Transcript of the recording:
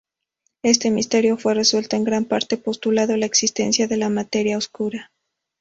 Este misterio fue resuelto en gran parte postulando la existencia de la materia oscura.